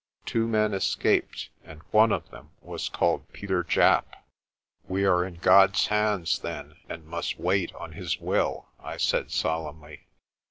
Two men escaped and one of them was called Peter Japp." "We are in God's hands then, and must wait on His will," I said solemnly.